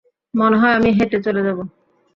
মনে হয় আমি হেঁটে চলে যাবো।